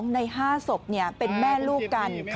ใน๕ศพเป็นแม่ลูกกัน